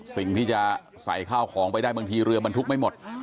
สิ่งที่จะใส่ข้าวของไปได้บางทีเรือบรรทุกไม่หมด